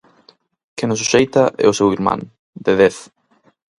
Quen o suxeita é o seu irmán, de dez.